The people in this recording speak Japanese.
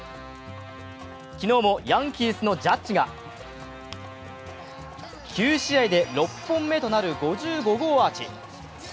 昨日もヤンキースのジャッジが９試合で６本目となる５５号アーチ。